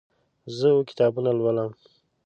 زه اوه کتابونه لولم.